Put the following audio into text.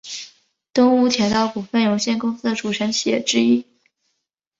东武铁道股份有限公司的组成企业之一。